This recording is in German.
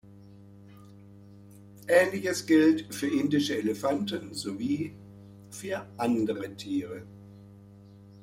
Ähnliches gilt für indische Elefanten sowie für andere Tiere.